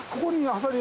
アサリ